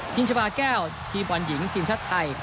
ชาบาแก้วทีมบอลหญิงทีมชาติไทย